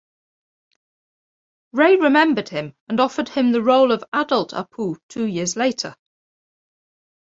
Ray remembered him and offered him the role of adult Apu two years later.